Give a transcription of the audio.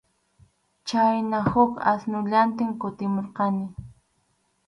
Chhayna huk asnullantin kutimurqani.